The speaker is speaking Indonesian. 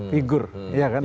figur ya kan